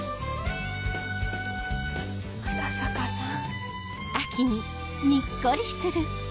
又坂さん。